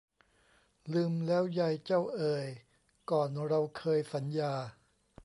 ลืมแล้วไยเจ้าเอย ก่อนเราเคยสัญญา